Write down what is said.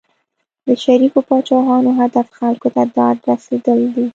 د شریفو پاچاهانو هدف خلکو ته داد رسېدل دي.